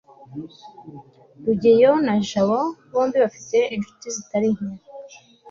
rugeyo na jabo bombi bafite inshuti zitari nke